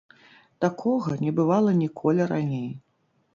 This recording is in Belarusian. Такога не бывала ніколі раней.